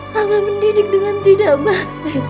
laga mendidik dengan tidak baik